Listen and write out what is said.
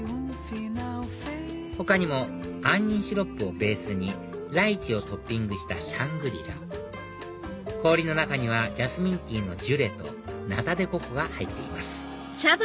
他にも杏仁シロップをベースにライチをトッピングしたシャングリラ氷の中にはジャスミンティーのジュレとナタデココが入っています